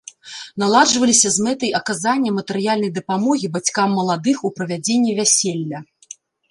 Наладжваліся з мэтай аказання матэрыяльнай дапамогі бацькам маладых у правядзенні вяселля.